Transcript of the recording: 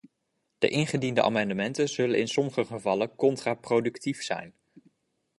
De ingediende amendementen zullen in sommige gevallen contraproductief zijn.